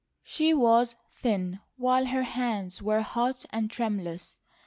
She was thin while her hands were hot and tremulous.